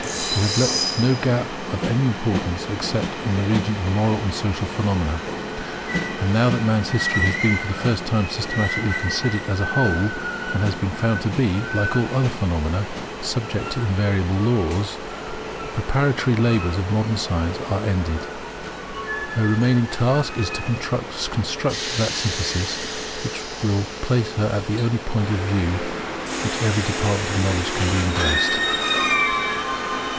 They have left no gap of any importance, except in the region of Moral and Social phenomena. And now that man's history has been for the first time systematically considered as a whole, and has been found to be, like all other phenomena, subject to invariable laws, the preparatory labours of modern Science are ended. Her remaining task is to construct that synthesis which will place her at the only point of view from which every department of knowledge can be embraced.